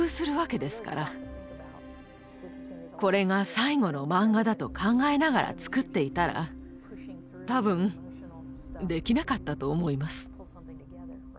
これが最後のマンガだと考えながら作っていたら多分できなかったと思います。